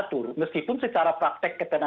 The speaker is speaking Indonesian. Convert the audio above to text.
tapi ada kata kata misalnya